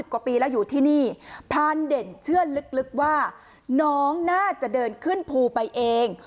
กว่าปีแล้วอยู่ที่นี่พรานเด่นเชื่อลึกว่าน้องน่าจะเดินขึ้นภูไปเอง